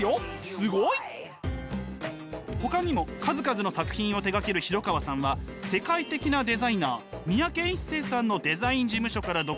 すごい！ほかにも数々の作品を手がける廣川さんは世界的なデザイナー三宅一生さんのデザイン事務所から独立して１７年目。